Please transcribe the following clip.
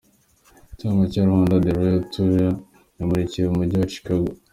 Icamake ya ’’Rwanda the Royal Tour " yamurikiwe mu Mujyi wa Chicago}.